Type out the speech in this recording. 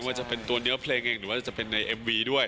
ว่าจะเป็นตัวเนื้อเพลงเองหรือว่าจะเป็นในเอ็มวีด้วย